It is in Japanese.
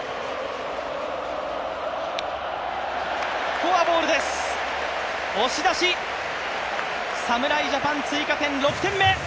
フォアボールです、押し出し侍ジャパン追加点、６点目。